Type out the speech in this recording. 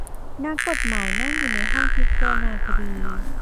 นักกฏหมายนั่งอยู่ในห้องพิจารณาคดี